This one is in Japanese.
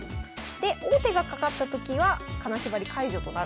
で王手がかかったときは金縛り解除となる。